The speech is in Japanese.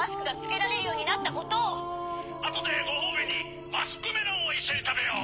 「あとでごほうびにマスクメロンをいっしょにたべよう。